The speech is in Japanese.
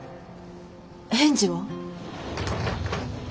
返事は？